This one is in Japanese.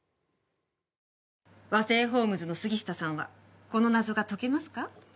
和製ホームズの杉下さんはこの謎が解けますか？